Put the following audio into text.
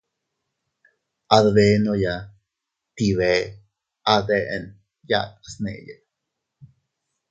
Adbenoya tii bee a deʼen yatas neʼeya.